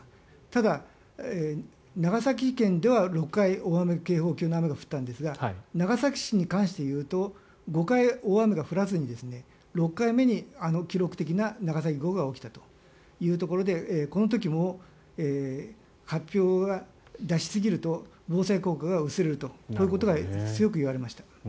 ただ、長崎県では６回大雨警報級の雨が降ったんですが長崎市に関していうと５回、大雨が降らずに６回目に、記録的な長崎豪雨が起きたというところでこの時も発表は出しすぎると防災効果が薄れるとこういうことが強くいわれました。